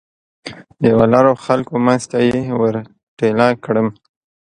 د ولاړو خلکو منځ ته یې ور ټېله کړم.